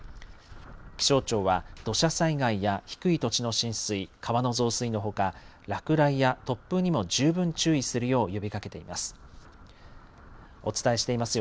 気象庁は土砂災害や低い土地の浸水、川の増水のほか落雷や突風にも十分注意するよう呼びかけています。